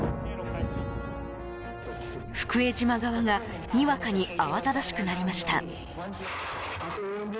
福江島側がにわかに慌ただしくなりました。